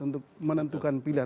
untuk menentukan pilihan